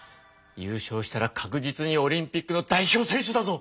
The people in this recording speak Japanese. ゆうしょうしたら確実にオリンピックの代表選手だぞ！